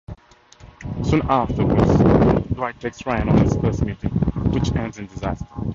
Soon afterwards, Dwight takes Ryan on his first meeting, which ends in disaster.